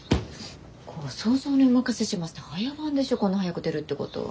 ご想像にお任せしますって早番でしょこんな早く出るってことは。